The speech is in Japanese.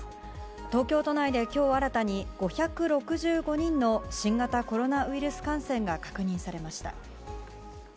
東京都内で今日新たに５６５人の新型コロナウイルス感染が確認されました。